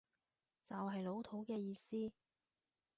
就係老土嘅意思